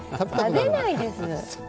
食べないです